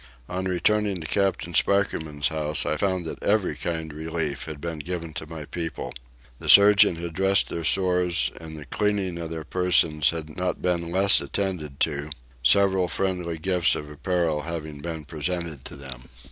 On returning to Captain Spikerman's house I found that every kind relief had been given to my people. The surgeon had dressed their sores and the cleaning of their persons had not been less attended to, several friendly gifts of apparel having been presented to them.